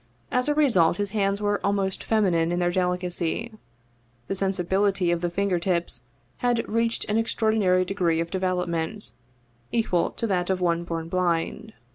As a result, his hands were almost feminine in their delicacy, the sensibility of the finger tips had reached an extraordinary degree of development, equal to that of one born blind.